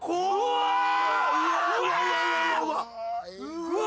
うわ！